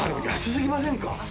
安すぎませんか？